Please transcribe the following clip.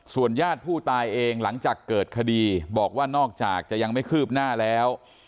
ญาติผู้ตายเองหลังจากเกิดคดีบอกว่านอกจากจะยังไม่คืบหน้าแล้ว